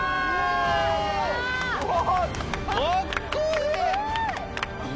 うわ！